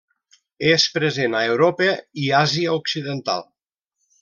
És present a Europa i Àsia occidental.